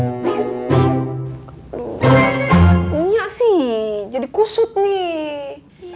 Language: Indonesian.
enggak sih jadi kusut nih